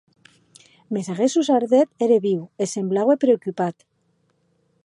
Mès aguest ossardet ère viu, e semblaue preocupat.